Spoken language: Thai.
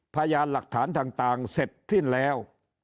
พยานหลักฐานต่างเสร็จสิ้นแล้ว